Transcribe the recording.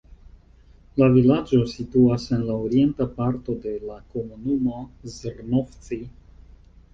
La vilaĝo situas en la orienta parto de la komunumo Zrnovci.